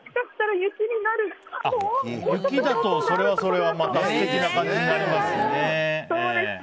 雪だと、それはそれで素敵な感じになりますね。